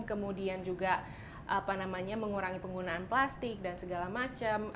kemudian juga mengurangi penggunaan plastik dan segala macam